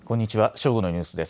正午のニュースです。